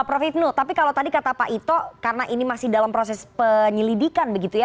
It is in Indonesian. prof ibnu tapi kalau tadi kata pak ito karena ini masih dalam proses penyelidikan begitu ya